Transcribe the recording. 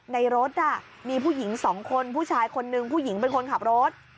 ในรถนี่มีผู้หญิง๒คนผู้ชาย๑ผู้หญิงเป็นคนขับรถ